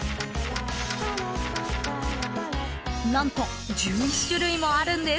［何と１１種類もあるんです］